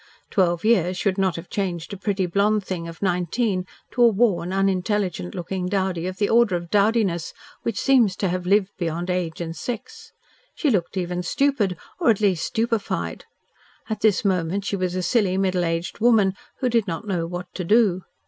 Twelve years should not have changed a pretty blonde thing of nineteen to a worn, unintelligent looking dowdy of the order of dowdiness which seems to have lived beyond age and sex. She looked even stupid, or at least stupefied. At this moment she was a silly, middle aged woman, who did not know what to do.